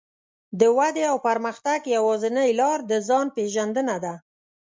د ودې او پرمختګ يوازينۍ لار د ځان پېژندنه ده.